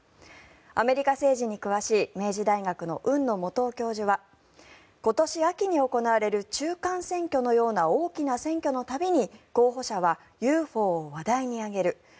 アメリカ政治に詳しい明治大学の海野素央教授は今年秋に行われる中間選挙のような大きな選挙の度に候補者はＵＦＯを話題に挙げる。